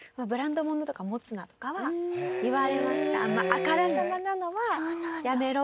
あからさまなのはやめろ。